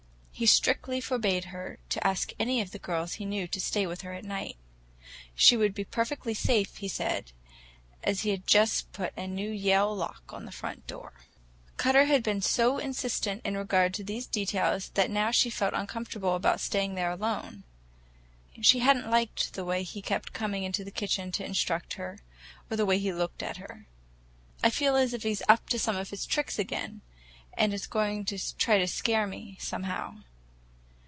He strictly forbade her to ask any of the girls she knew to stay with her at night. She would be perfectly safe, he said, as he had just put a new Yale lock on the front door. Cutter had been so insistent in regard to these details that now she felt uncomfortable about staying there alone. She had n't liked the way he kept coming into the kitchen to instruct her, or the way he looked at her. "I feel as if he is up to some of his tricks again, and is going to try to scare me, somehow."